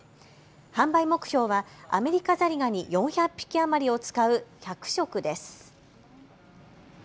販売目標はアメリカザリガニ４００匹余りを使う１００食です。